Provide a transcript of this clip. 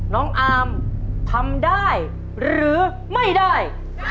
น้องอาร์มทำได้หรือไม่ได้